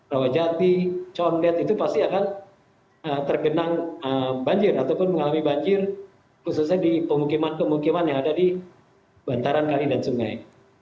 rawajati condet itu pasti akan tergenang banjir ataupun mengalami banjir khususnya di pemukiman pemukiman yang ada di bantaran kali dan sungai